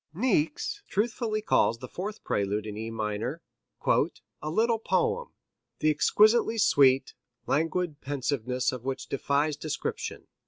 Niecks truthfully calls the fourth prelude in E minor "a little poem, the exquisitely sweet, languid pensiveness of which defies description.